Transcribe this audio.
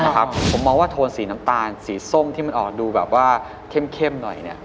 ผมมองว่าโทนสีน้ำตาลสีส้มที่มันออกดูแบบว่าเข้มหน่อย